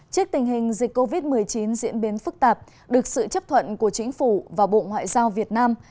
trước tình hình dịch covid một mươi chín diễn biến phức tạp được sự chấp thuận của chính phủ và bộ ngoại giao việt nam